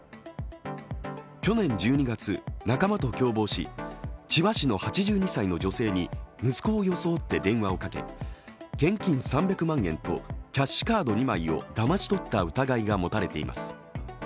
去年１２月、仲間と共謀し、千葉市の８２歳の女性に息子を装って電話をかけ現金３００万円とキャッシュカードをだまし取った疑いが持たれています。